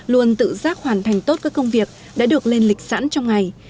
luôn tự giác hoàn thành tốt các công việc đã được lên lịch sẵn trong ngày